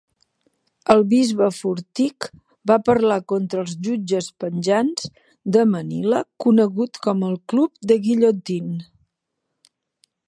El bisbe Fortich va parlar contra els jutges penjants de Manila conegut com el Club de Guillotine.